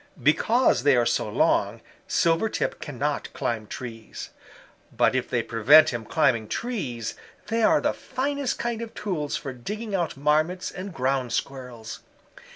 Because they are so long, Silvertip cannot climb trees. But if they prevent him climbing trees they are the finest kind of tools for digging out Marmots and ground Squirrels.